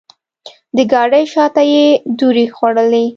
د ګاډۍ شاته یې دورې خوړلې.